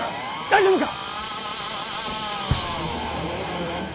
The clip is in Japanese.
大丈夫か？